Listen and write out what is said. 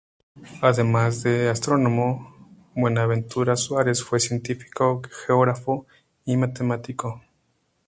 Además de astrónomo, Buenaventura Suárez fue científico, geógrafo y matemático.